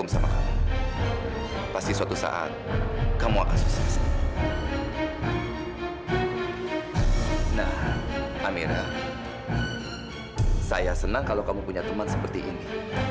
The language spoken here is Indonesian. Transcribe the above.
saya senang kalau kamu punya teman seperti ini